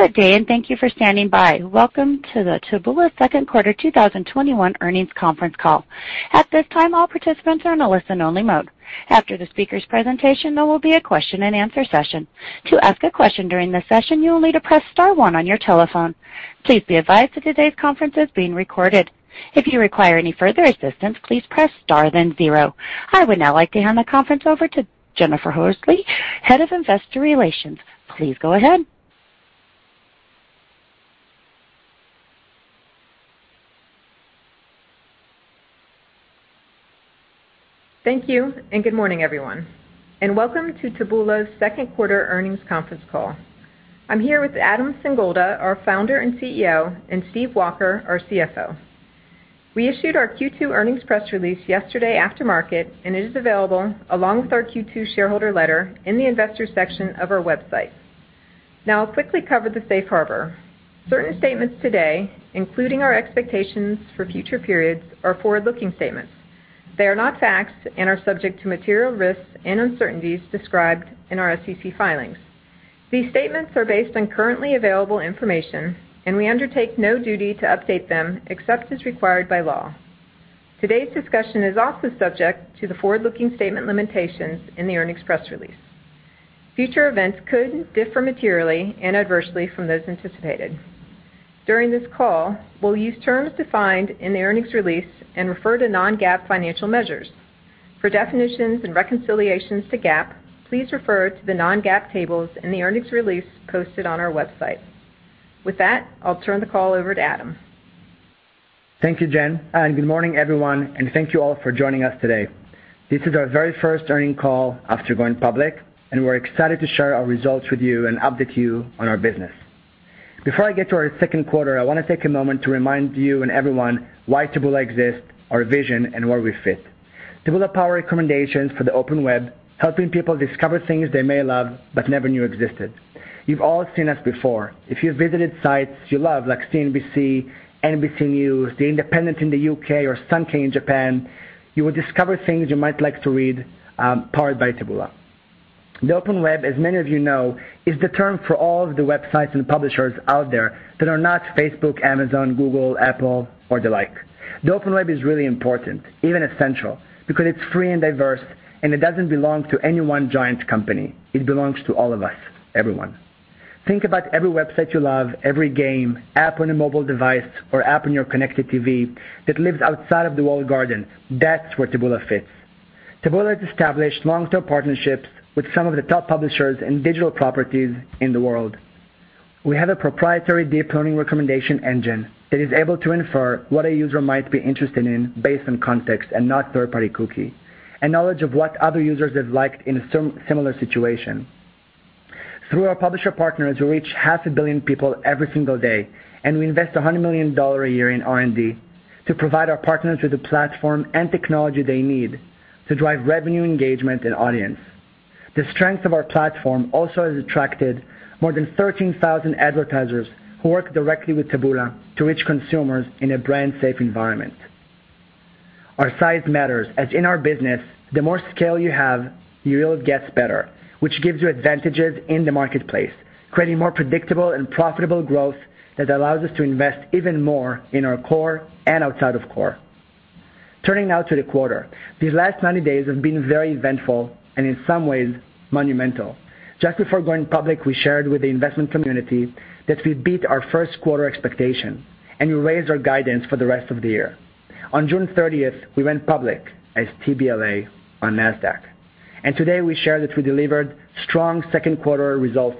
I would now like to hand the conference over to Jessica Kourakos, Head of Investor Relations. Please go ahead. Thank you, and good morning, everyone, and welcome to Taboola's second quarter earnings conference call. I'm here with Adam Singolda, our founder and CEO, and Stephen Walker, our CFO. We issued our Q2 earnings press release yesterday after market, and it is available along with our Q2 shareholder letter in the investors section of our website. Now, I'll quickly cover the safe harbor. Certain statements today, including our expectations for future periods, are forward-looking statements. They are not facts and are subject to material risks and uncertainties described in our SEC filings. These statements are based on currently available information, and we undertake no duty to update them except as required by law. Today's discussion is also subject to the forward-looking statement limitations in the earnings press release. Future events could differ materially and adversely from those anticipated. During this call, we'll use terms defined in the earnings release and refer to non-GAAP financial measures. For definitions and reconciliations to GAAP, please refer to the non-GAAP tables in the earnings release posted on our website. With that, I'll turn the call over to Adam. Thank you, Jen, and good morning, everyone, and thank you all for joining us today. This is our very first earnings call after going public, and we're excited to share our results with you and update you on our business. Before I get to our second quarter, I want to take a moment to remind you and everyone why Taboola exists, our vision, and where we fit. Taboola power recommendations for the open web, helping people discover things they may love but never knew existed. You've all seen us before. If you've visited sites you love, like CNBC, NBC News, The Independent in the U.K. or Sankei in Japan, you will discover things you might like to read, powered by Taboola. The open web, as many of you know, is the term for all of the websites and publishers out there that are not Facebook, Amazon, Google, Apple or the like. The open web is really important, even essential, because it's free and diverse, and it doesn't belong to any one giant company. It belongs to all of us, everyone. Think about every website you love, every game, app on a mobile device or app on your connected TV that lives outside of the walled garden. That's where Taboola fits. Taboola has established long-term partnerships with some of the top publishers and digital properties in the world. We have a proprietary deep learning recommendation engine that is able to infer what a user might be interested in based on context and not third-party cookie, and knowledge of what other users have liked in a similar situation. Through our publisher partners, we reach half a billion people every single day, we invest $100 million a year in R&D to provide our partners with the platform and technology they need to drive revenue, engagement, and audience. The strength of our platform also has attracted more than 13,000 advertisers who work directly with Taboola to reach consumers in a brand safe environment. Our size matters, as in our business, the more scale you have, you really gets better, which gives you advantages in the marketplace, creating more predictable and profitable growth that allows us to invest even more in our core and outside of core. Turning now to the quarter. These last 90 days have been very eventful and in some ways monumental. Just before going public, we shared with the investment community that we beat our first quarter expectation, we raised our guidance for the rest of the year. On June 30th, we went public as TBLA on Nasdaq, today we share that we delivered strong second quarter results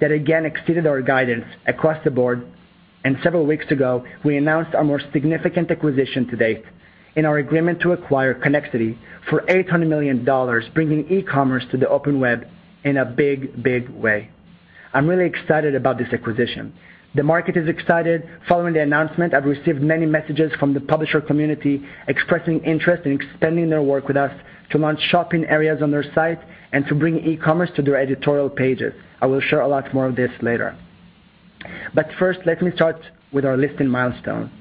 that again exceeded our guidance across the board, several weeks ago, we announced our more significant acquisition to date in our agreement to acquire Connexity for $800 million, bringing e-commerce to the open web in a big, big way. I'm really excited about this acquisition. The market is excited. Following the announcement, I've received many messages from the publisher community expressing interest in expanding their work with us to launch shopping areas on their site and to bring e-commerce to their editorial pages. I will share a lot more on this later. First, let me start with our listing milestone.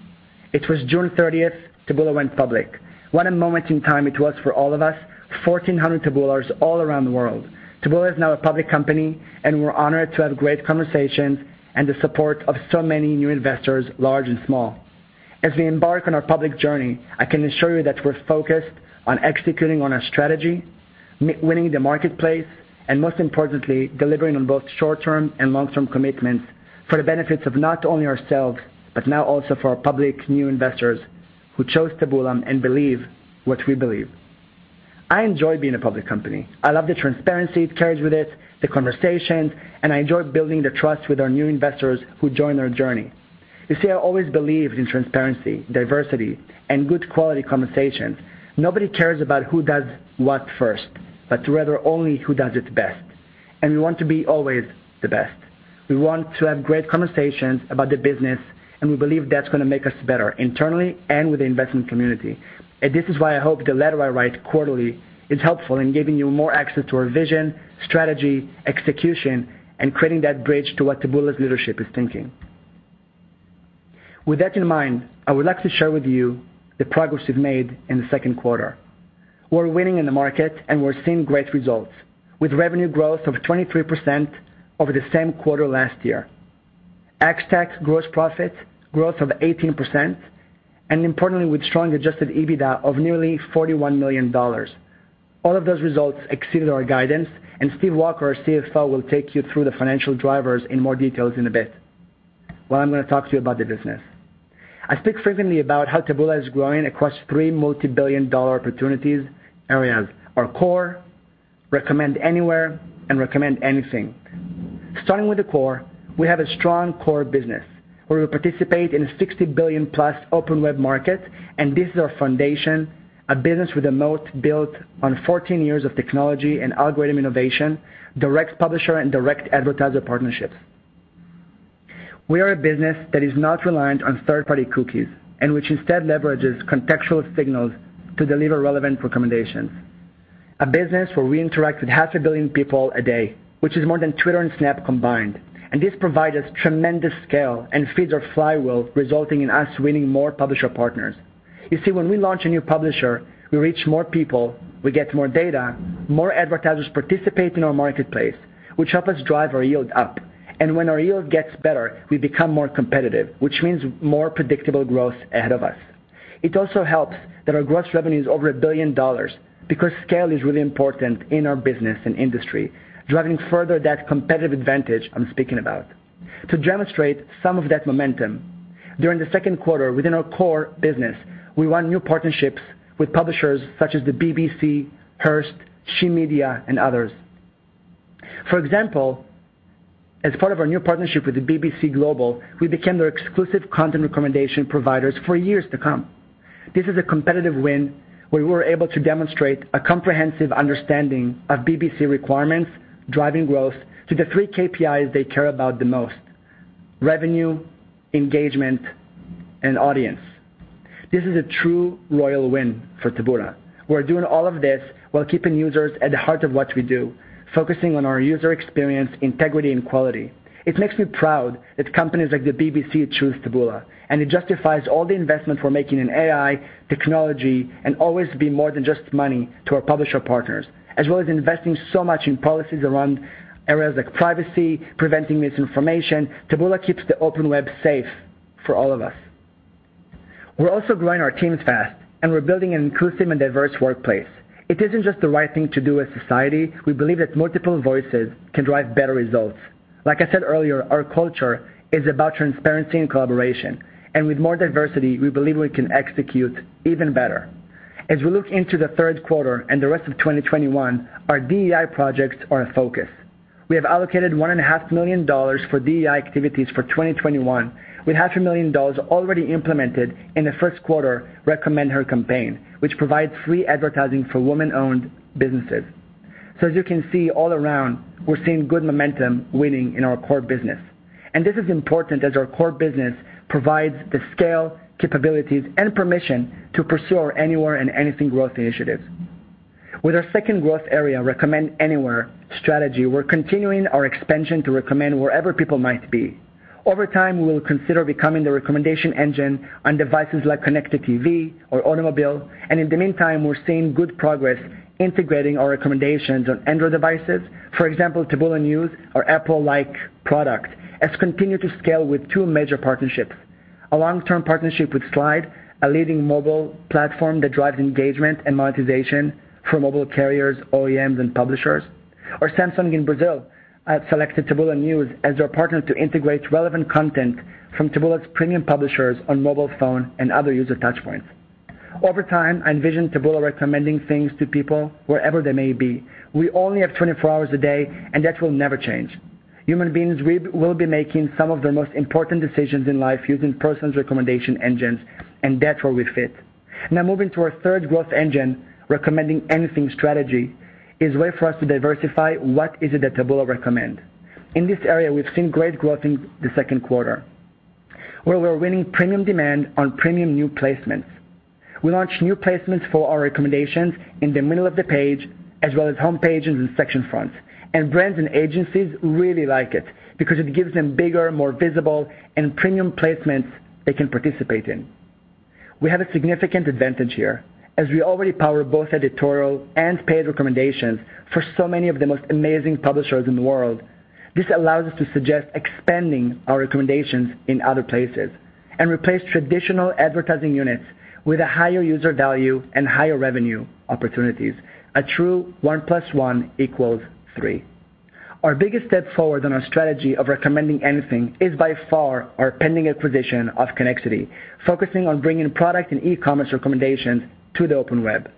It was June 30th, Taboola went public. What a moment in time it was for all of us, 1,400 Taboolas all around the world. Taboola is now a public company. We're honored to have great conversations and the support of so many new investors, large and small. As we embark on our public journey, I can assure you that we're focused on executing on our strategy, winning the marketplace, and most importantly, delivering on both short-term and long-term commitments for the benefits of not only ourselves, but now also for our public new investors who chose Taboola and believe what we believe. I enjoy being a public company. I love the transparency it carries with it, the conversations. I enjoy building the trust with our new investors who join our journey. You see, I always believed in transparency, diversity, and good quality conversations. Nobody cares about who does what first, but rather only who does it best. We want to be always the best. We want to have great conversations about the business, and we believe that's going to make us better internally and with the investment community. This is why I hope the letter I write quarterly is helpful in giving you more access to our vision, strategy, execution, and creating that bridge to what Taboola's leadership is thinking. With that in mind, I would like to share with you the progress we've made in the second quarter. We're winning in the market, and we're seeing great results, with revenue growth of 23% over the same quarter last year. Ex-TAC gross profit growth of 18%, and importantly, with strong adjusted EBITDA of nearly $41 million. All of those results exceeded our guidance, and Steve Walker, our CFO, will take you through the financial drivers in more details in a bit, while I'm going to talk to you about the business. I speak frequently about how Taboola is growing across 3 multi-billion dollar opportunities areas: our core, recommend anywhere, and recommend anything. Starting with the core, we have a strong core business where we participate in a $60 billion-plus open web market, and this is our foundation, a business with a moat built on 14 years of technology and algorithm innovation, direct publisher and direct advertiser partnerships. We are a business that is not reliant on third-party cookies and which instead leverages contextual signals to deliver relevant recommendations. A business where we interact with half a billion people a day, which is more than Twitter and Snap combined. This provides us tremendous scale and feeds our flywheel, resulting in us winning more publisher partners. You see, when we launch a new publisher, we reach more people, we get more data, more advertisers participate in our marketplace, which help us drive our yield up. When our yield gets better, we become more competitive, which means more predictable growth ahead of us. It also helps that our gross revenue is over $1 billion because scale is really important in our business and industry, driving further that competitive advantage I'm speaking about. To demonstrate some of that momentum, during the second quarter within our core business, we won new partnerships with publishers such as the BBC, Hearst, SHE Media, and others. For example, as part of our new partnership with the BBC Global, we became their exclusive content recommendation providers for years to come. This is a competitive win where we were able to demonstrate a comprehensive understanding of BBC requirements, driving growth to the 3 KPIs they care about the most: revenue, engagement, and audience. This is a true royal win for Taboola. We're doing all of this while keeping users at the heart of what we do, focusing on our user experience, integrity, and quality. It makes me proud that companies like the BBC choose Taboola, and it justifies all the investment we're making in AI, technology, and always be more than just money to our publisher partners, as well as investing so much in policies around areas like privacy, preventing misinformation. Taboola keeps the open web safe for all of us. We're also growing our teams fast, and we're building an inclusive and diverse workplace. It isn't just the right thing to do as society. We believe that multiple voices can drive better results. Like I said earlier, our culture is about transparency and collaboration, and with more diversity, we believe we can execute even better. As we look into the third quarter and the rest of 2021, our DEI projects are a focus. We have allocated $1.5 million for DEI activities for 2021, with half a million dollars already implemented in the first quarter #RecommendHER campaign, which provides free advertising for woman-owned businesses. As you can see all around, we're seeing good momentum winning in our core business. This is important as our core business provides the scale, capabilities, and permission to pursue our anywhere and anything growth initiatives. With our second growth area, Recommend Anywhere strategy, we're continuing our expansion to recommend wherever people might be. Over time, we will consider becoming the recommendation engine on devices like connected TV or automobile. In the meantime, we're seeing good progress integrating our recommendations on Android devices. For example, Taboola News, our Apple-like product, has continued to scale with 2 major partnerships. A long-term partnership with Sliide, a leading mobile platform that drives engagement and monetization for mobile carriers, OEMs, and publishers. Samsung in Brazil have selected Taboola News as their partner to integrate relevant content from Taboola's premium publishers on mobile phone and other user touchpoints. Over time, I envision Taboola recommending things to people wherever they may be. We only have 24 hours a day. That will never change. Human beings will be making some of the most important decisions in life using persons' recommendation engines. That's where we fit. Moving to our third growth engine, recommending anything strategy, is a way for us to diversify what is it that Taboola recommend. In this area, we've seen great growth in the second quarter, where we're winning premium demand on premium new placements. We launched new placements for our recommendations in the middle of the page, as well as home pages and section fronts. Brands and agencies really like it because it gives them bigger, more visible, and premium placements they can participate in. We have a significant advantage here, as we already power both editorial and paid recommendations for so many of the most amazing publishers in the world. This allows us to suggest expanding our recommendations in other places and replace traditional advertising units with a higher user value and higher revenue opportunities. A true one plus one equals three. Our biggest step forward on our strategy of recommending anything is by far our pending acquisition of Connexity, focusing on bringing product and e-commerce recommendations to the open web.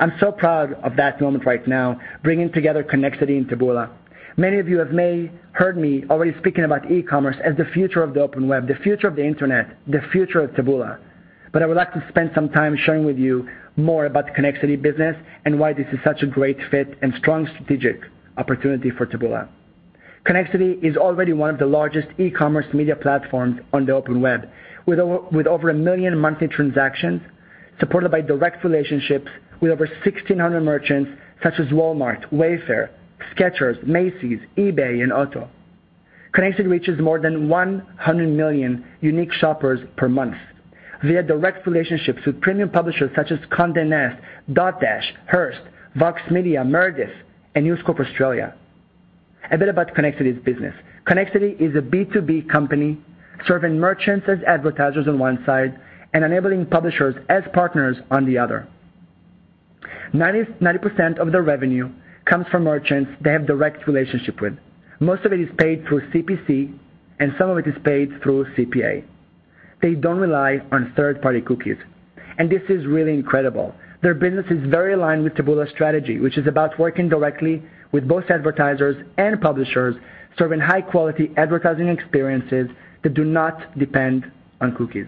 I'm so proud of that moment right now, bringing together Connexity and Taboola. Many of you have may heard me already speaking about e-commerce as the future of the open web, the future of the internet, the future of Taboola. I would like to spend some time sharing with you more about the Connexity business and why this is such a great fit and strong strategic opportunity for Taboola. Connexity is already one of the largest e-commerce media platforms on the open web, with over 1 million monthly transactions supported by direct relationships with over 1,600 merchants such as Walmart, Wayfair, Skechers, Macy's, eBay, and Otto. Connexity reaches more than 100 million unique shoppers per month via direct relationships with premium publishers such as Condé Nast, Dotdash, Hearst, Vox Media, Meredith, and News Corp Australia. A bit about Connexity's business. Connexity is a B2B company serving merchants as advertisers on one side and enabling publishers as partners on the other. 90% of their revenue comes from merchants they have direct relationship with. Most of it is paid through CPC, and some of it is paid through CPA. They don't rely on third-party cookies, and this is really incredible. Their business is very aligned with Taboola's strategy, which is about working directly with both advertisers and publishers, serving high-quality advertising experiences that do not depend on cookies.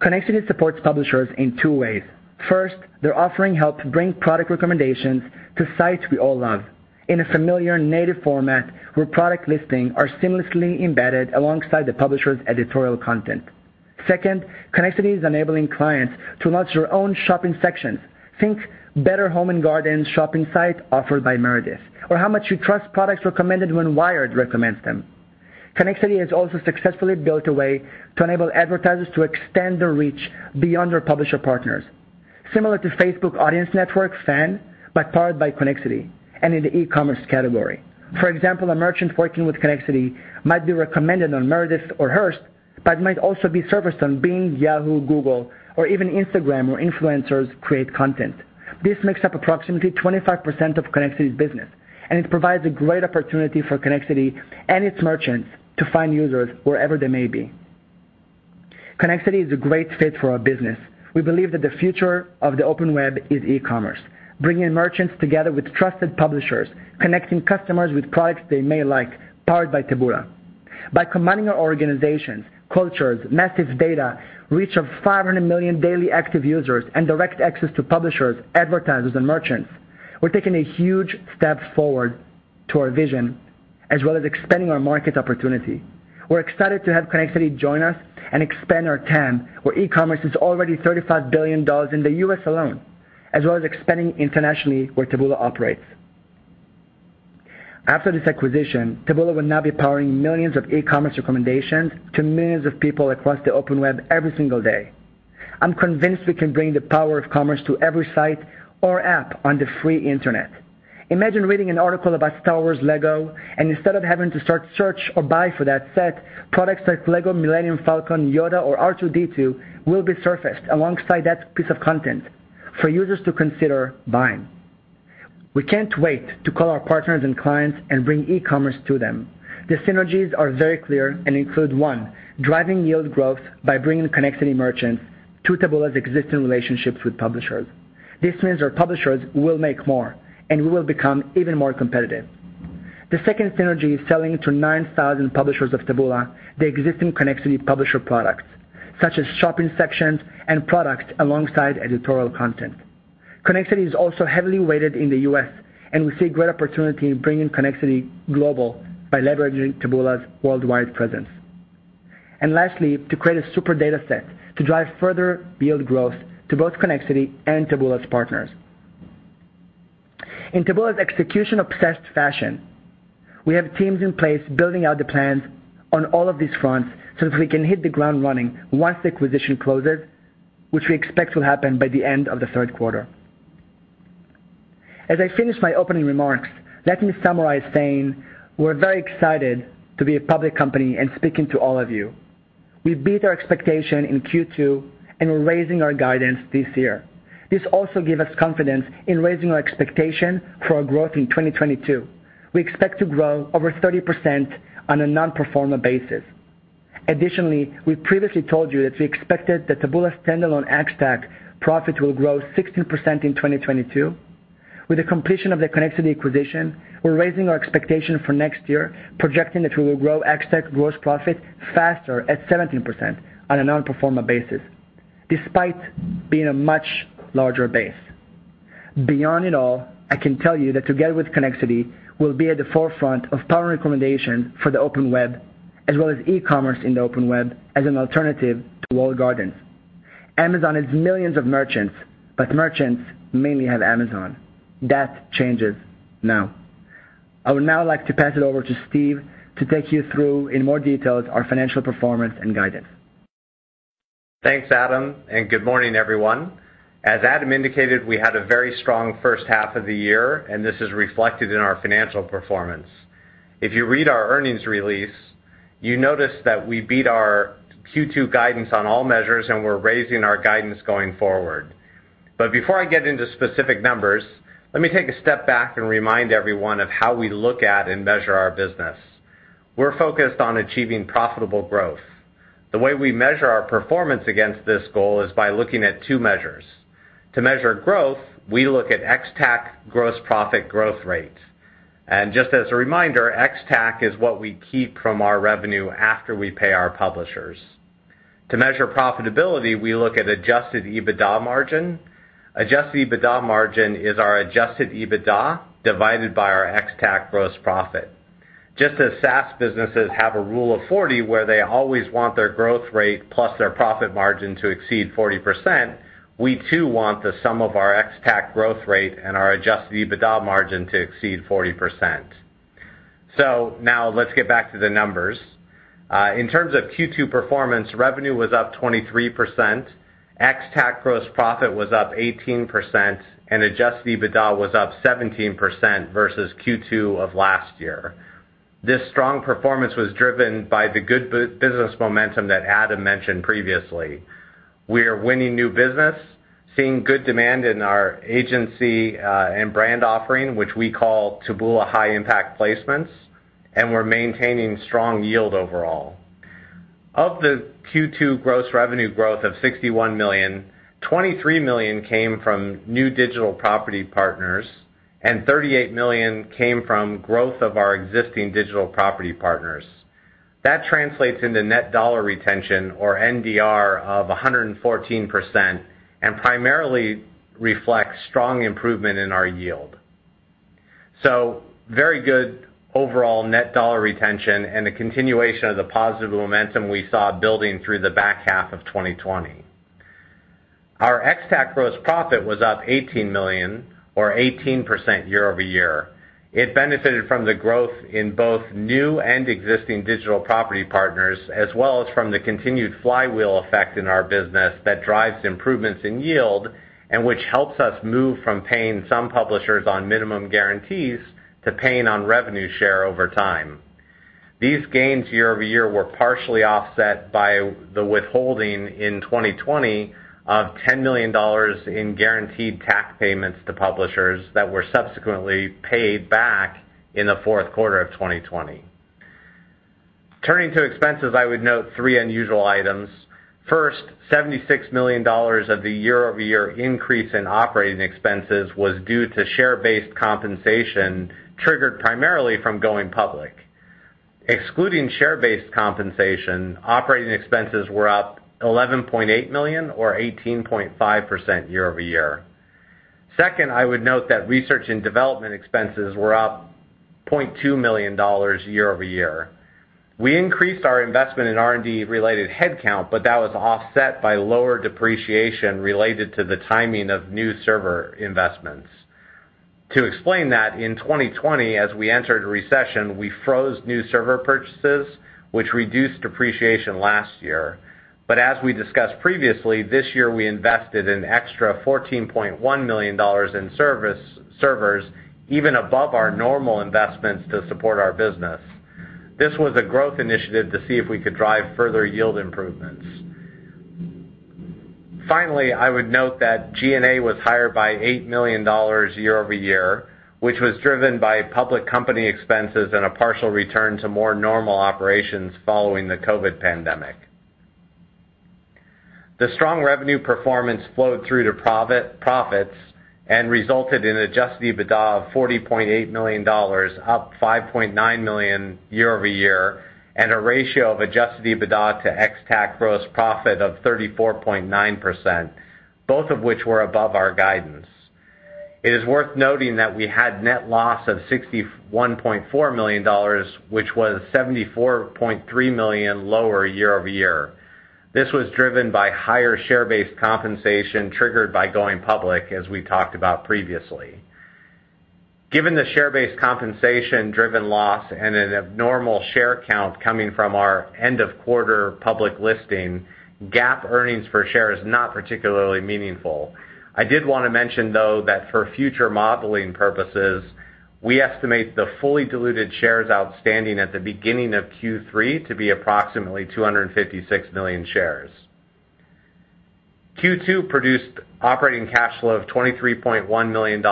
Connexity supports publishers in two ways. First, they're offering help to bring product recommendations to sites we all love in a familiar native format where product listing are seamlessly embedded alongside the publisher's editorial content. Second, Connexity is enabling clients to launch their own shopping sections. Think Better Homes & Gardens shopping site offered by Meredith, or how much you trust products recommended when WIRED recommends them. Connexity has also successfully built a way to enable advertisers to extend their reach beyond their publisher partners. Similar to Facebook Audience Network, FAN, but powered by Connexity and in the e-commerce category. For example, a merchant working with Connexity might be recommended on Meredith or Hearst, but might also be serviced on Bing, Yahoo, Google, or even Instagram, where influencers create content. This makes up approximately 25% of Connexity's business, and it provides a great opportunity for Connexity and its merchants to find users wherever they may be. Connexity is a great fit for our business. We believe that the future of the open web is e-commerce, bringing merchants together with trusted publishers, connecting customers with products they may like, powered by Taboola. By combining our organizations, cultures, massive data, reach of 500 million daily active users, and direct access to publishers, advertisers, and merchants, we're taking a huge step forward to our vision, as well as expanding our market opportunity. We're excited to have Connexity join us and expand our TAM, where e-commerce is already $35 billion in the U.S. alone, as well as expanding internationally where Taboola operates. After this acquisition, Taboola will now be powering millions of e-commerce recommendations to millions of people across the open web every single day. I'm convinced we can bring the power of commerce to every site or app on the free internet. Imagine reading an article about Star Wars LEGO, and instead of having to start search or buy for that set, products like LEGO Millennium Falcon, Yoda, or R2-D2 will be surfaced alongside that piece of content for users to consider buying. We can't wait to call our partners and clients and bring e-commerce to them. The synergies are very clear and include, one, driving yield growth by bringing Connexity merchants to Taboola's existing relationships with publishers. This means our publishers will make more, and we will become even more competitive. The second synergy is selling to 9,000 publishers of Taboola the existing Connexity publisher products, such as shopping sections and products alongside editorial content. Connexity is also heavily weighted in the U.S., and we see great opportunity in bringing Connexity global by leveraging Taboola's worldwide presence. Lastly, to create a super data set to drive further yield growth to both Connexity and Taboola's partners. In Taboola's execution-obsessed fashion, we have teams in place building out the plans on all of these fronts so that we can hit the ground running once the acquisition closes, which we expect will happen by the end of the third quarter. As I finish my opening remarks, let me summarize saying we're very excited to be a public company and speaking to all of you. We beat our expectation in Q2, and we're raising our guidance this year. This also give us confidence in raising our expectation for our growth in 2022. We expect to grow over 30% on a non-pro forma basis. Additionally, we previously told you that we expected that Taboola's standalone ex-TAC profit will grow 16% in 2022. With the completion of the Connexity acquisition, we're raising our expectation for next year, projecting that we will grow ex-TAC gross profit faster, at 17%, on a non-GAAP basis despite being a much larger base. Beyond it all, I can tell you that together with Connexity, we'll be at the forefront of power recommendation for the open web as well as e-commerce in the open web as an alternative to walled gardens. Amazon has millions of merchants, but merchants mainly have Amazon. That changes now. I would now like to pass it over to Stephen to take you through, in more details, our financial performance and guidance. Thanks, Adam. Good morning, everyone. As Adam indicated, we had a very strong first half of the year, and this is reflected in our financial performance. If you read our earnings release, you notice that we beat our Q2 guidance on all measures, and we're raising our guidance going forward. Before I get into specific numbers, let me take a step back and remind everyone of how we look at and measure our business. We're focused on achieving profitable growth. The way we measure our performance against this goal is by looking at two measures. To measure growth, we look at ex-TAC gross profit growth rate. Just as a reminder, ex-TAC is what we keep from our revenue after we pay our publishers. To measure profitability, we look at adjusted EBITDA margin. Adjusted EBITDA margin is our adjusted EBITDA divided by our ex-TAC gross profit. Just as SaaS businesses have a rule of 40, where they always want their growth rate plus their profit margin to exceed 40%, we too want the sum of our ex-TAC growth rate and our adjusted EBITDA margin to exceed 40%. Now let's get back to the numbers. In terms of Q2 performance, revenue was up 23%, ex-TAC gross profit was up 18%, and adjusted EBITDA was up 17% versus Q2 of last year. This strong performance was driven by the good business momentum that Adam mentioned previously. We are winning new business, seeing good demand in our agency and brand offering, which we call Taboola High Impact Placements, and we're maintaining strong yield overall. Of the Q2 gross revenue growth of $61 million, $23 million came from new digital property partners, and $38 million came from growth of our existing digital property partners. That translates into net dollar retention, or NDR, of 114%, and primarily reflects strong improvement in our yield. Very good overall net dollar retention and the continuation of the positive momentum we saw building through the back half of 2020. Our ex-TAC gross profit was up $18 million or 18% year-over-year. It benefited from the growth in both new and existing digital property partners, as well as from the continued flywheel effect in our business that drives improvements in yield and which helps us move from paying some publishers on minimum guarantees to paying on revenue share over time. These gains year-over-year were partially offset by the withholding in 2020 of $10 million in guaranteed tax payments to publishers that were subsequently paid back in the fourth quarter of 2020. Turning to expenses, I would note 3 unusual items. First, $76 million of the year-over-year increase in operating expenses was due to share-based compensation, triggered primarily from going public. Excluding share-based compensation, operating expenses were up $11.8 million or 18.5% year-over-year. Second, I would note that research and development expenses were up $0.2 million year-over-year. We increased our investment in R&D related head count, but that was offset by lower depreciation related to the timing of new server investments. To explain that, in 2020, as we entered a recession, we froze new server purchases, which reduced depreciation last year. As we discussed previously, this year we invested an extra $14.1 million in servers, even above our normal investments to support our business. This was a growth initiative to see if we could drive further yield improvements. Finally, I would note that G&A was higher by $8 million year-over-year, which was driven by public company expenses and a partial return to more normal operations following the COVID pandemic. The strong revenue performance flowed through to profits and resulted in adjusted EBITDA of $40.8 million, up $5.9 million year-over-year, and a ratio of adjusted EBITDA to ex-TAC gross profit of 34.9%, both of which were above our guidance. It is worth noting that we had net loss of $61.4 million, which was $74.3 million lower year-over-year. This was driven by higher share-based compensation triggered by going public, as we talked about previously. Given the share-based compensation driven loss and an abnormal share count coming from our end of quarter public listing, GAAP earnings per share is not particularly meaningful. I did want to mention, though, that for future modeling purposes, we estimate the fully diluted shares outstanding at the beginning of Q3 to be approximately 256 million shares. Q2 produced operating cash flow of $23.1 million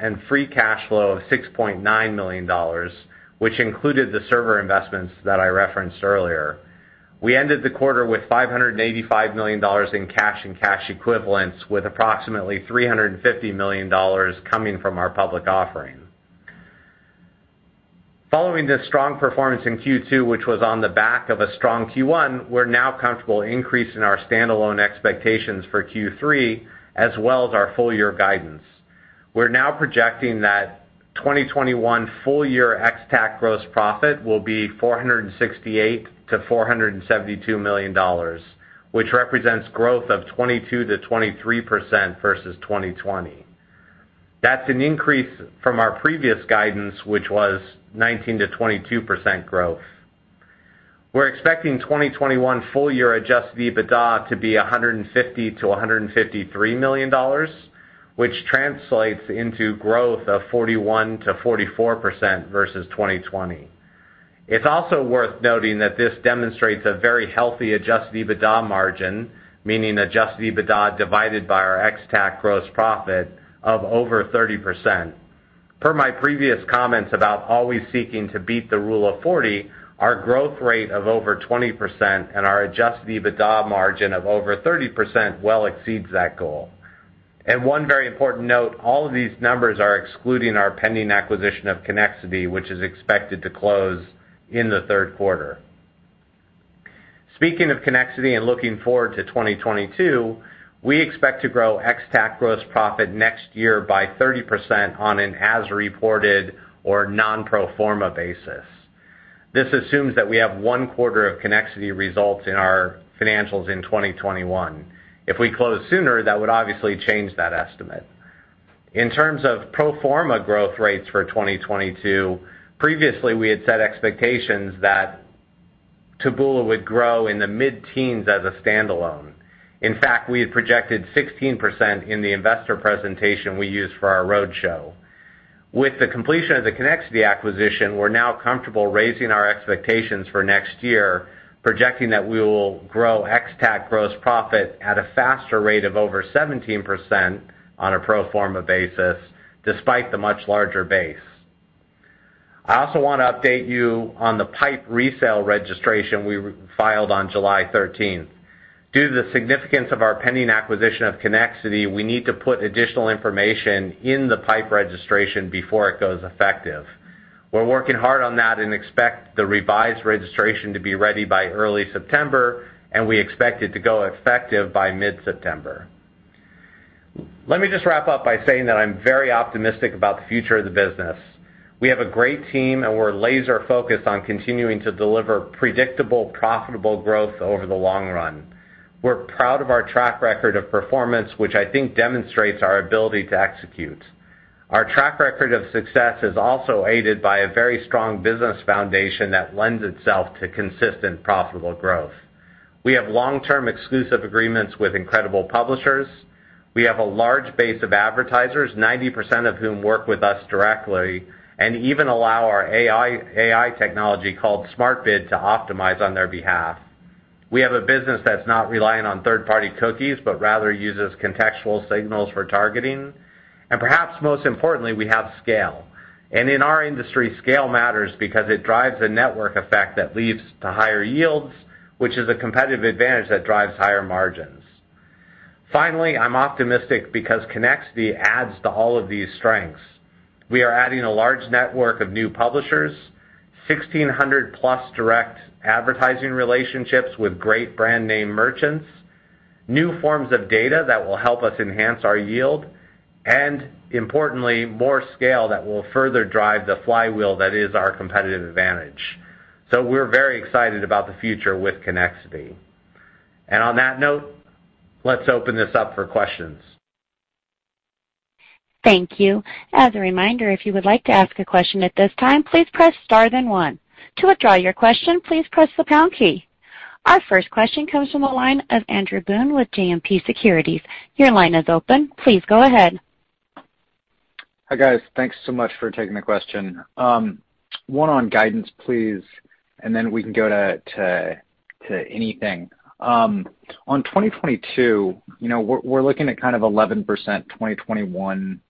and free cash flow of $6.9 million, which included the server investments that I referenced earlier. We ended the quarter with $585 million in cash and cash equivalents, with approximately $350 million coming from our public offering. Following this strong performance in Q2, which was on the back of a strong Q1, we are now comfortable increasing our standalone expectations for Q3 as well as our full- year guidance. We're now projecting that 2021 full- year ex-TAC gross profit will be $468 million-$472 million, which represents growth of 22%-23% versus 2020. That's an increase from our previous guidance, which was 19%-22% growth. We're expecting 2021 full- year adjusted EBITDA to be $150 million-$153 million, which translates into growth of 41%-44% versus 2020. It's also worth noting that this demonstrates a very healthy adjusted EBITDA margin, meaning adjusted EBITDA divided by our ex-TAC gross profit of over 30%. Per my previous comments about always seeking to beat the rule of 40, our growth rate of over 20% and our adjusted EBITDA margin of over 30% well exceeds that goal. 1 very important note, all of these numbers are excluding our pending acquisition of Connexity, which is expected to close in the third quarter. Speaking of Connexity and looking forward to 2022, we expect to grow ex-TAC gross profit next year by 30% on an as-reported or non-pro forma basis. This assumes that we have one quarter of Connexity results in our financials in 2021. If we close sooner, that would obviously change that estimate. In terms of pro forma growth rates for 2022, previously, we had set expectations that Taboola would grow in the mid-teens as a standalone. In fact, we had projected 16% in the investor presentation we used for our roadshow. With the completion of the Connexity acquisition, we're now comfortable raising our expectations for next year, projecting that we will grow ex-TAC gross profit at a faster rate of over 17% on a pro forma basis, despite the much larger base. I also want to update you on the PIPE resale registration we filed on July 13. Due to the significance of our pending acquisition of Connexity, we need to put additional information in the PIPE registration before it goes effective. We're working hard on that and expect the revised registration to be ready by early September, and we expect it to go effective by mid-September. Let me just wrap up by saying that I'm very optimistic about the future of the business. We have a great team, and we're laser-focused on continuing to deliver predictable, profitable growth over the long run. We're proud of our track record of performance, which I think demonstrates our ability to execute. Our track record of success is also aided by a very strong business foundation that lends itself to consistent, profitable growth. We have long-term exclusive agreements with incredible publishers. We have a large base of advertisers, 90% of whom work with us directly and even allow our AI technology called SmartBid to optimize on their behalf. We have a business that's not reliant on third-party cookies, but rather uses contextual signals for targeting. Perhaps most importantly, we have scale. In our industry, scale matters because it drives a network effect that leads to higher yields, which is a competitive advantage that drives higher margins. Finally, I'm optimistic because Connexity adds to all of these strengths. We are adding a large network of new publishers, 1,600-plus direct advertising relationships with great brand name merchants, new forms of data that will help us enhance our yield, and importantly, more scale that will further drive the flywheel that is our competitive advantage. We're very excited about the future with Connexity. On that note, let's open this up for questions. Thank you. Our first question comes from the line of Andrew Boone with JMP Securities. Hi, guys. Thanks so much for taking the question. 1 on guidance, please, and then we can go to anything. On 2022, we're looking at kind of 11% 2021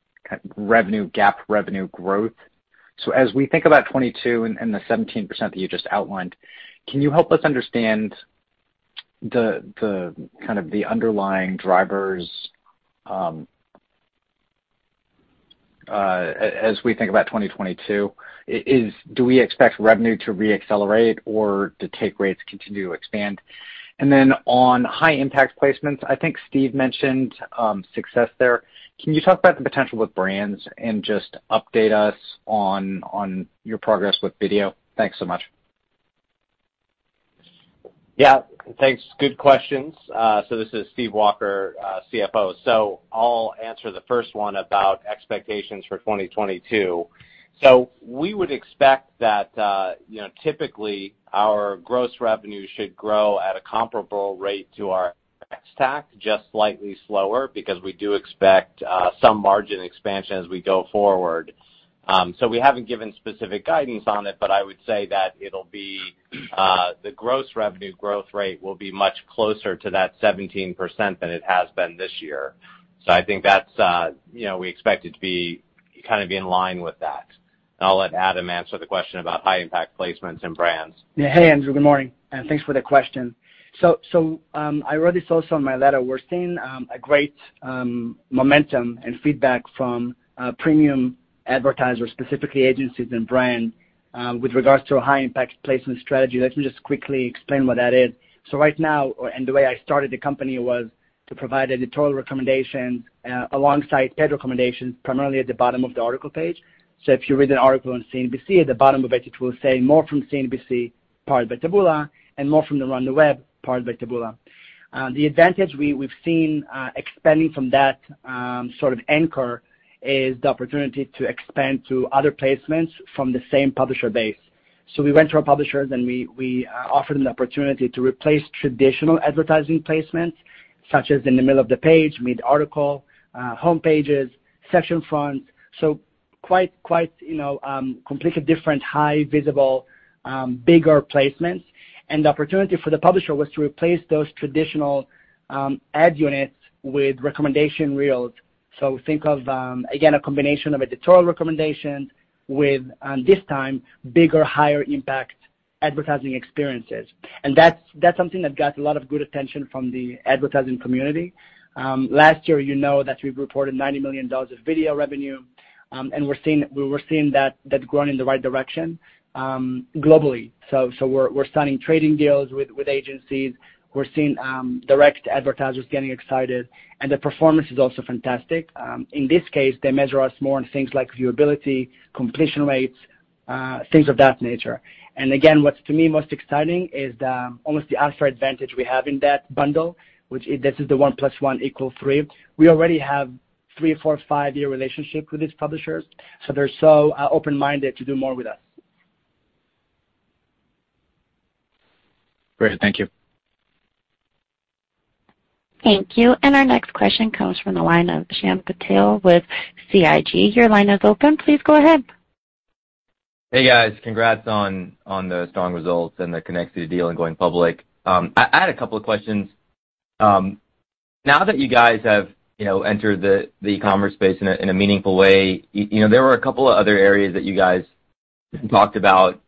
revenue, GAAP revenue growth. As we think about 2022 and the 17% that you just outlined, can you help us understand the underlying drivers as we think about 2022? Do we expect revenue to re-accelerate or the take rates continue to expand? On Taboola High Impact Placements, I think Steve mentioned success there. Can you talk about the potential with brands and just update us on your progress with video? Thanks so much. Yeah. Thanks. Good questions. This is Stephen Walker, CFO. I'll answer the first one about expectations for 2022. We would expect that typically our gross revenue should grow at a comparable rate to our ex-TAC, just slightly slower because we do expect some margin expansion as we go forward. We haven't given specific guidance on it, but I would say that it'll be the gross revenue growth rate will be much closer to that 17% than it has been this year. I think we expect it to be in line with that. I'll let Adam answer the question about High Impact Placements and brands. Hey, Andrew. Good morning, and thanks for the question. I wrote this also in my letter. We're seeing a great momentum and feedback from premium advertisers, specifically agencies and brands, with regards to a high impact placement strategy. Let me just quickly explain what that is. Right now, and the way I started the company was to provide editorial recommendations alongside paid recommendations, primarily at the bottom of the article page. If you read an article on CNBC, at the bottom of it will say, "More from CNBC, powered by Taboola," and, "More from around the web, powered by Taboola." The advantage we've seen expanding from that sort of anchor is the opportunity to expand to other placements from the same publisher base. We went to our publishers, and we offered them the opportunity to replace traditional advertising placements, such as in the middle of the page, mid-article, homepages, section fronts. Quite completely different, high visible, bigger placements. The opportunity for the publisher was to replace those traditional ad units with recommendation reels. Think of, again, a combination of editorial recommendations with, this time, bigger, higher impact advertising experiences. That's something that got a lot of good attention from the advertising community. Last year, you know that we reported $90 million of video revenue, and we're seeing that growing in the right direction, globally. We're signing trading deals with agencies. We're seeing direct advertisers getting excited, and the performance is also fantastic. In this case, they measure us more on things like viewability, completion rates, things of that nature. Again, what's to me most exciting is almost the extra advantage we have in that bundle, which this is the one plus one equal three. We already have three, four, five-year relationships with these publishers, so they're so open-minded to do more with us. Great. Thank you. Thank you. Our next question comes from the line of Shyam Patil with SIG. Your line is open. Please go ahead. Hey, guys. Congrats on the strong results and the Connexity deal and going public. I had a couple of questions. Now that you guys have entered the e-commerce space in a meaningful way, there were a couple of other areas that you guys talked about,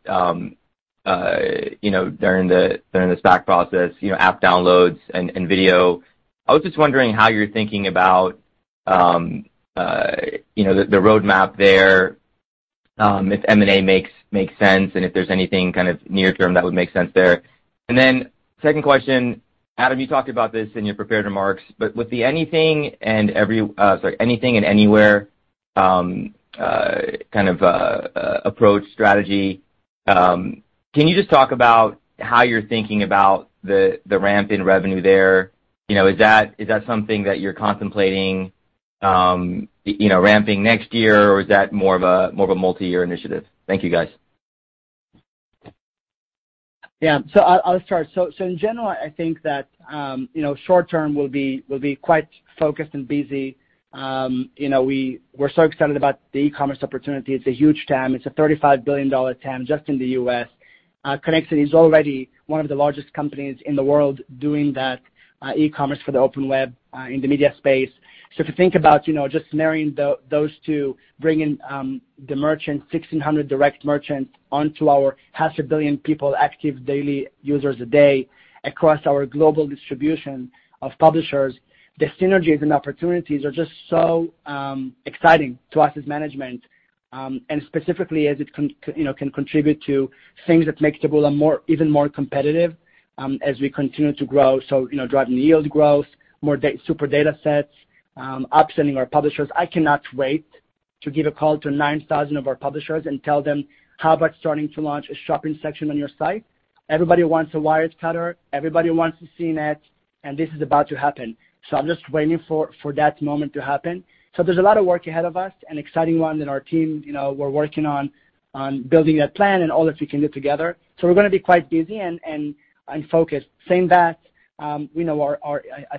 during the SPAC process, app downloads and video. I was just wondering how you're thinking about the roadmap there, if M&A makes sense, and if there's anything near-term that would make sense there. Second question, Adam, you talked about this in your prepared remarks, but with the anything and anywhere kind of approach strategy, can you just talk about how you're thinking about the ramp in revenue there? Is that something that you're contemplating ramping next year, or is that more of a multi-year initiative? Thank you, guys. I'll start. In general, I think that short-term, we'll be quite focused and busy. We're so excited about the e-commerce opportunity. It's a huge TAM. It's a $35 billion TAM just in the U.S. Connexity is already one of the largest companies in the world doing that e-commerce for the open web, in the media space. If you think about just marrying those two, bringing the merchant, 1,600 direct merchant onto our half a billion people, active daily users a day across our global distribution of publishers, the synergies and opportunities are just so exciting to us as management. Specifically, as it can contribute to things that makes Taboola even more competitive as we continue to grow. Driving yield growth, more super data sets, upselling our publishers. I cannot wait to give a call to 9,000 of our publishers and tell them, "How about starting to launch a shopping section on your site?" Everybody wants a Wirecutter, everybody wants a CNET. This is about to happen. I'm just waiting for that moment to happen. There's a lot of work ahead of us, an exciting one, and our team, we're working on building a plan and all that we can do together. We're going to be quite busy and focused. Saying that, I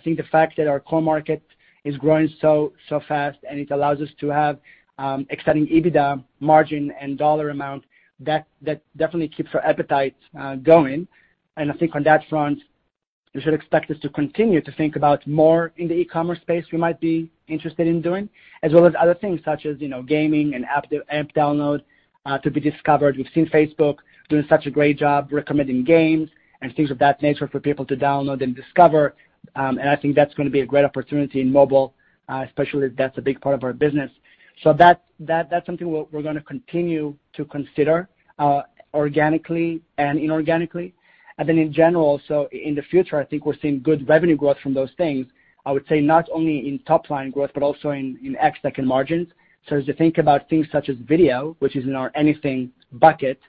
think the fact that our core market is growing so fast, and it allows us to have extending EBITDA margin and dollar amount, that definitely keeps our appetite going. I think on that front, you should expect us to continue to think about more in the e-commerce space we might be interested in doing, as well as other things such as gaming and app download to be discovered. We've seen Facebook doing such a great job recommending games and things of that nature for people to download and discover, and I think that's going to be a great opportunity in mobile, especially if that's a big part of our business. That's something we're going to continue to consider, organically and inorganically. Then in general, in the future, I think we're seeing good revenue growth from those things. I would say not only in top-line growth but also in ex-TAC and margins. As you think about things such as video, which is in our anything bucket,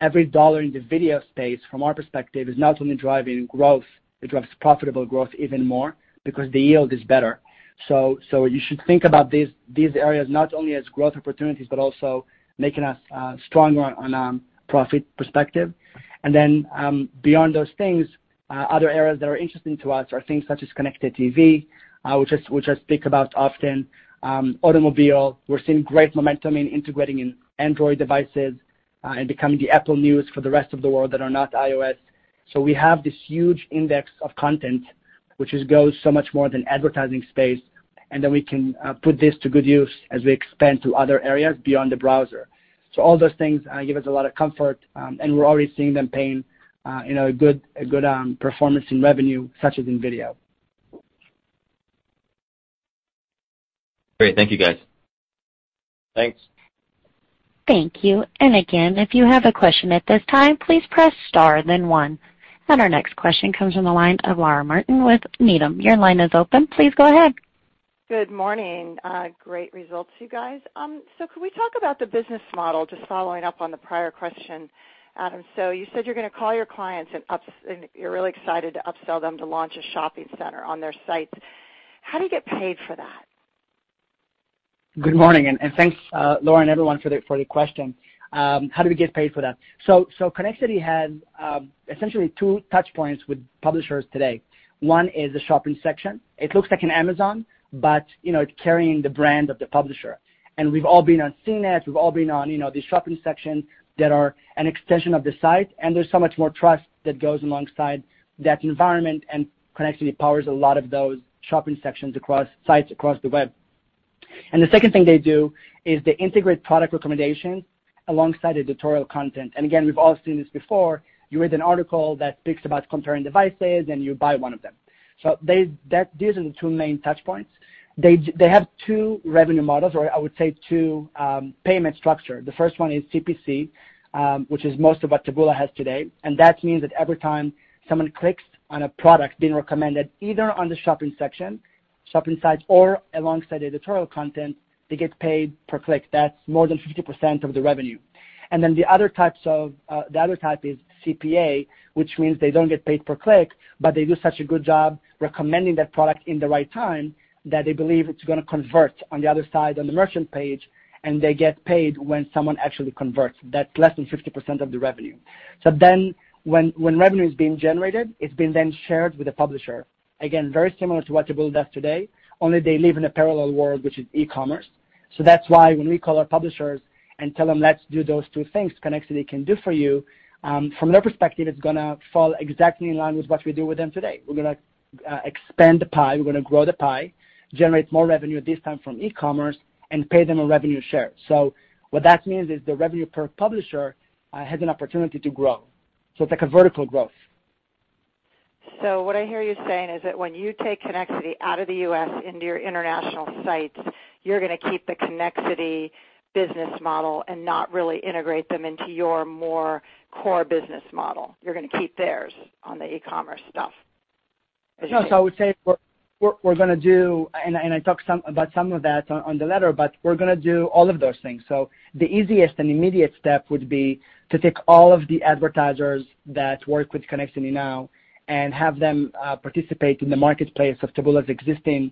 $1 in the video space, from our perspective, is not only driving growth, it drives profitable growth even more because the yield is better. You should think about these areas not only as growth opportunities but also making us stronger on a profit perspective. Beyond those things, other areas that are interesting to us are things such as connected TV, which I speak about often. Automobile. We're seeing great momentum in integrating in Android devices and becoming the Apple News for the rest of the world that are not iOS. We have this huge index of content, which goes so much more than advertising space, and then we can put this to good use as we expand to other areas beyond the browser. All those things give us a lot of comfort, and we're already seeing them paying a good performance in revenue, such as in video. Great. Thank you, guys. Thanks. Thank you. Again, if you have a question at this time, please press star then one. Our next question comes from the line of Laura Martin with Needham. Your line is open. Please go ahead. Good morning. Great results, you guys. Could we talk about the business model, just following up on the prior question, Adam. You said you're going to call your clients and you're really excited to upsell them to launch a shopping center on their sites. How do you get paid for that? Good morning, and thanks, Laura and everyone for the question. How do we get paid for that? Connexity has essentially 2 touch points with publishers today. 1 is the shopping section. It looks like an Amazon, but it's carrying the brand of the publisher. We've all been on CNET, we've all been on these shopping sections that are an extension of the site, and there's so much more trust that goes alongside that environment, and Connexity powers a lot of those shopping sections across sites across the web. The 2nd thing they do is they integrate product recommendations alongside editorial content. Again, we've all seen this before. You read an article that speaks about comparing devices, and you buy 1 of them. These are the 2 main touch points. They have 2 revenue models, or I would say 2 payment structure. The first one is CPC, which is most of what Taboola has today. That means that every time someone clicks on a product being recommended, either on the shopping section, shopping sites, or alongside editorial content, they get paid per click. That's more than 50% of the revenue. The other type is CPA, which means they don't get paid per click, but they do such a good job recommending that product in the right time, that they believe it's going to convert on the other side, on the merchant page, and they get paid when someone actually converts. That's less than 50% of the revenue. When revenue is being generated, it's being then shared with the publisher. Again, very similar to what Taboola does today, only they live in a parallel world, which is e-commerce. That's why when we call our publishers and tell them, "Let's do those two things Connexity can do for you," from their perspective, it's going to fall exactly in line with what we do with them today. We're going to expand the pie, we're going to grow the pie, generate more revenue, this time from e-commerce, and pay them a revenue share. What that means is the revenue per publisher has an opportunity to grow. It's like a vertical growth. What I hear you saying is that when you take Connexity out of the U.S. into your international sites, you're going to keep the Connexity business model and not really integrate them into your more core business model. You're going to keep theirs on the e-commerce stuff. No. I would say what we're going to do, and I talked about some of that on the letter, but we're going to do all of those things. The easiest and immediate step would be to take all of the advertisers that work with Connexity now and have them participate in the marketplace of Taboola's existing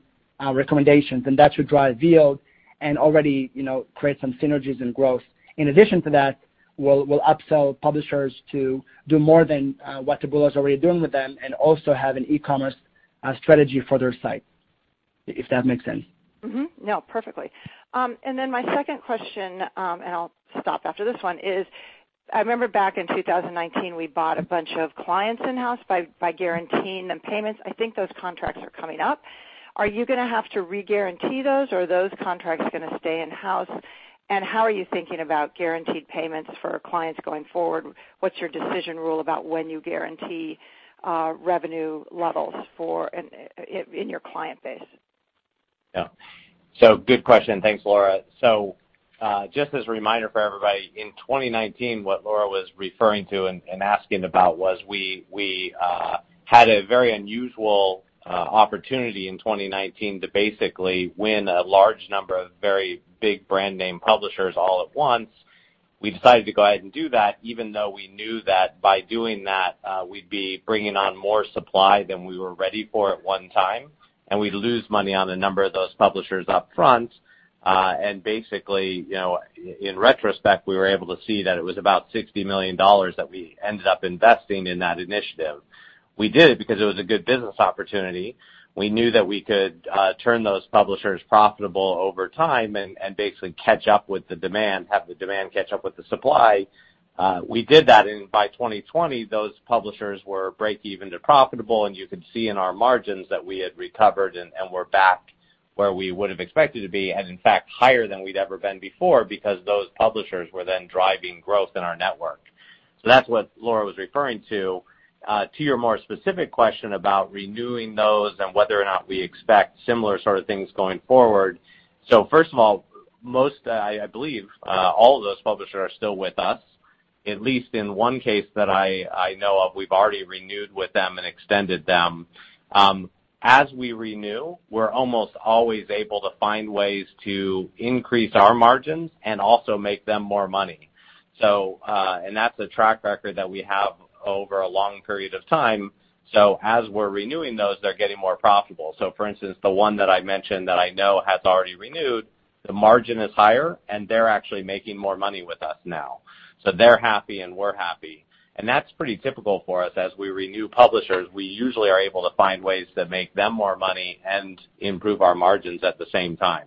recommendations, and that should drive yield and already create some synergies and growth. In addition to that, we'll upsell publishers to do more than what Taboola is already doing with them and also have an e-commerce strategy for their site, if that makes sense. No, perfectly. My second question, and I'll stop after this one, is I remember back in 2019, we bought a bunch of clients in-house by guaranteeing them payments. I think those contracts are coming up. Are you going to have to re-guarantee those, or are those contracts going to stay in-house? How are you thinking about guaranteed payments for clients going forward? What's your decision rule about when you guarantee revenue levels in your client base? Yeah. Good question. Thanks, Laura. Just as a reminder for everybody, in 2019, what Laura was referring to and asking about was we had a very unusual opportunity in 2019 to basically win a large number of very big brand name publishers all at once. We decided to go ahead and do that, even though we knew that by doing that, we'd be bringing on more supply than we were ready for at one time, and we'd lose money on a number of those publishers up front. Basically, in retrospect, we were able to see that it was about $60 million that we ended up investing in that initiative. We did it because it was a good business opportunity. We knew that we could turn those publishers profitable over time and basically catch up with the demand, have the demand catch up with the supply. We did that, and by 2020, those publishers were break even to profitable, and you could see in our margins that we had recovered and were back where we would've expected to be, and in fact, higher than we'd ever been before, because those publishers were then driving growth in our network. That's what Laura was referring to. To your more specific question about renewing those and whether or not we expect similar sort of things going forward. First of all, I believe all of those publishers are still with us, at least in one case that I know of, we've already renewed with them and extended them. As we renew, we're almost always able to find ways to increase our margins and also make them more money. That's a track record that we have over a long period of time. As we're renewing those, they're getting more profitable. For instance, the one that I mentioned that I know has already renewed, the margin is higher and they're actually making more money with us now. They're happy and we're happy. That's pretty typical for us. As we renew publishers, we usually are able to find ways that make them more money and improve our margins at the same time.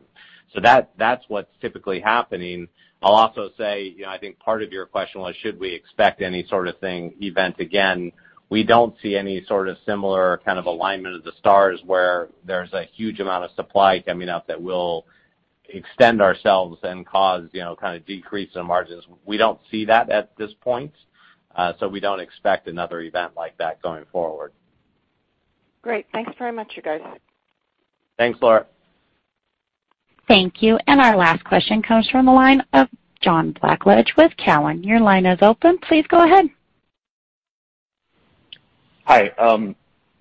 That's what's typically happening. I'll also say, I think part of your question was should we expect any sort of thing, event again? We don't see any sort of similar kind of alignment of the stars where there's a huge amount of supply coming up that will extend ourselves and cause decrease in margins. We don't see that at this point. We don't expect another event like that going forward. Great. Thanks very much, you guys. Thanks, Laura. Thank you. Our last question comes from the line of John Blackledge with Cowen. Your line is open. Please go ahead. Hi.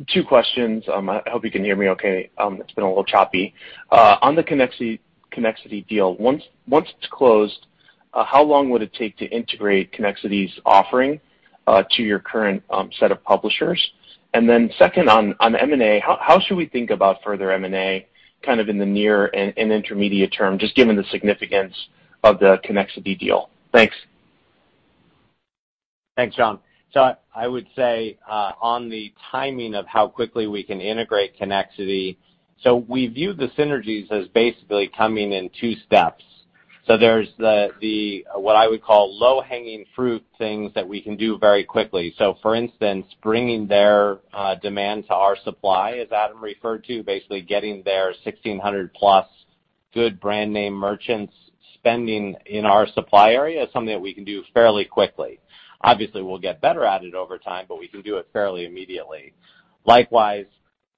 Two questions. I hope you can hear me okay. It's been a little choppy. On the Connexity deal, once it's closed, how long would it take to integrate Connexity's offering to your current set of publishers? Second, on M&A, how should we think about further M&A, kind of in the near and intermediate term, just given the significance of the Connexity deal? Thanks. Thanks, John. I would say, on the timing of how quickly we can integrate Connexity, we view the synergies as basically coming in two steps. There's the, what I would call low-hanging fruit things that we can do very quickly. For instance, bringing their demand to our supply, as Adam referred to, basically getting their 1,600-plus good brand name merchants spending in our supply area is something that we can do fairly quickly. Obviously, we'll get better at it over time, but we can do it fairly immediately. Likewise,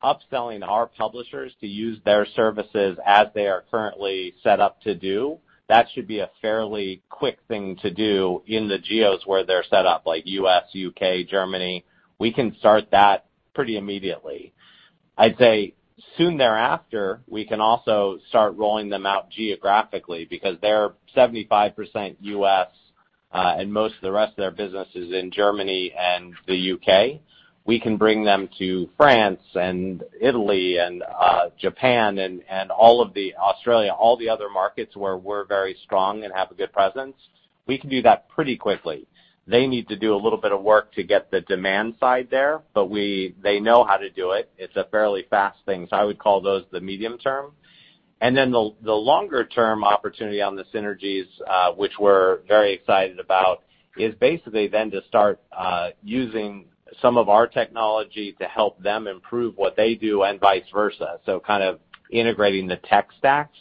upselling our publishers to use their services as they are currently set up to do, that should be a fairly quick thing to do in the geos where they're set up, like U.S., U.K., Germany. We can start that pretty immediately. I'd say soon thereafter, we can also start rolling them out geographically, because they're 75% U.S., and most of the rest of their business is in Germany and the U.K. We can bring them to France and Italy and Japan and Australia, all the other markets where we're very strong and have a good presence. We can do that pretty quickly. They need to do a little bit of work to get the demand side there, but they know how to do it. It's a fairly fast thing. I would call those the medium term. The longer-term opportunity on the synergies, which we're very excited about, is basically then to start using some of our technology to help them improve what they do and vice versa. Kind of integrating the tech stacks.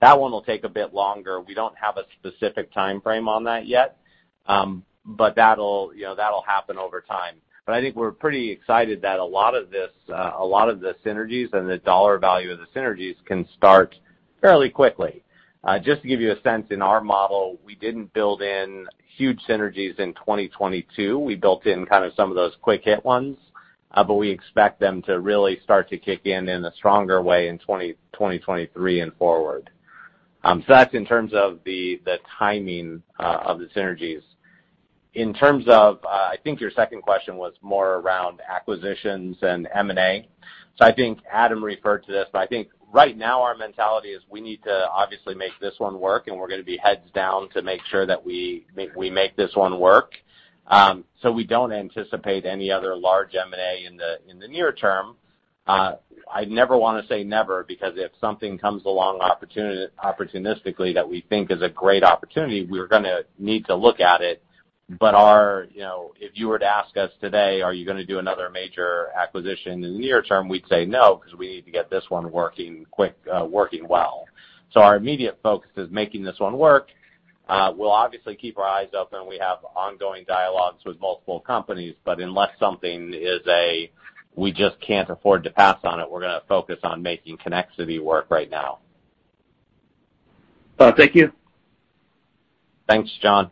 That one will take a bit longer. We don't have a specific timeframe on that yet. That'll happen over time. I think we're pretty excited that a lot of the synergies and the dollar value of the synergies can start fairly quickly. Just to give you a sense, in our model, we didn't build in huge synergies in 2022. We built in kind of some of those quick-hit ones, but we expect them to really start to kick in in a stronger way in 2023 and forward. That's in terms of the timing of the synergies. In terms of, I think your second question was more around acquisitions and M&A. I think Adam referred to this, but I think right now our mentality is we need to obviously make this one work, and we're going to be heads down to make sure that we make this one work. We don't anticipate any other large M&A in the near term. I'd never want to say never, because if something comes along opportunistically that we think is a great opportunity, we're going to need to look at it. If you were to ask us today, are you going to do another major acquisition in the near term? We'd say no, because we need to get this one working well. Our immediate focus is making this one work. We'll obviously keep our eyes open. We have ongoing dialogues with multiple companies, but unless something is a we just can't afford to pass on it, we're going to focus on making Connexity work right now. Thank you. Thanks, John.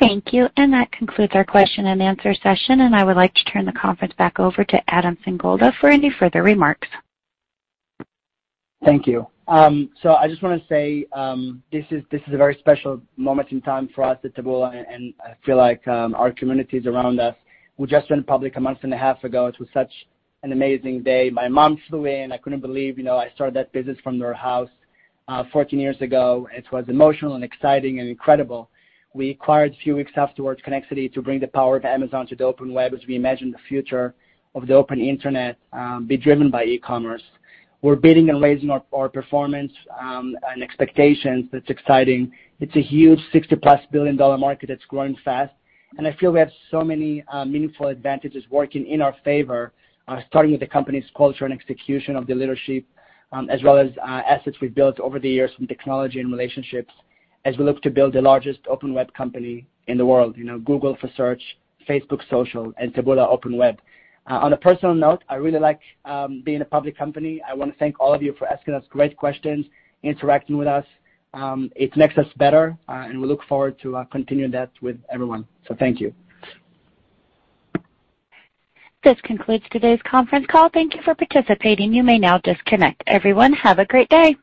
Thank you. That concludes our question and answer session. I would like to turn the conference back over to Adam Singolda for any further remarks. Thank you. I just want to say, this is a very special moment in time for us at Taboola, and I feel like our communities around us. We just went public 1.5 months ago. It was such an amazing day. My mom flew in. I couldn't believe I started that business from their house 14 years ago. It was emotional and exciting and incredible. We acquired a few weeks afterwards Connexity to bring the power of Amazon to the open web, as we imagine the future of the open internet be driven by e-commerce. We're beating and raising our performance and expectations. That's exciting. It's a huge $60-plus billion market that's growing fast, and I feel we have so many meaningful advantages working in our favor, starting with the company's culture and execution of the leadership, as well as assets we've built over the years from technology and relationships as we look to build the largest open web company in the world. Google for search, Facebook social, and Taboola open web. On a personal note, I really like being a public company. I want to thank all of you for asking us great questions, interacting with us. It makes us better, and we look forward to continuing that with everyone. Thank you. This concludes today's conference call. Thank you for participating. You may now disconnect. Everyone, have a great day.